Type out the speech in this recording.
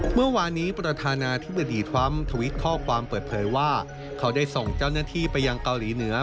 เมื่อวานนี้ประธานาธิบดีทรัมป์ทวิตข้อความเปิดเผยว่าเขาได้ส่งเจ้าหน้าที่ไปยังเกาหลีเหนือ